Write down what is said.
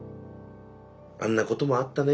「あんなこともあったね」